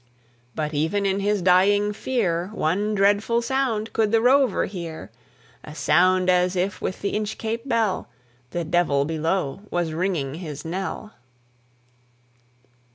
But, even in his dying fear, One dreadful sound could the Rover hear, A sound as if with the Inchcape Bell The Devil below was ringing his knell.